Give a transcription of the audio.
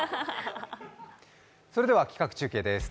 それでは企画中継です。